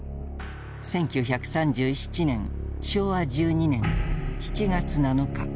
１９３７年昭和１２年７月７日。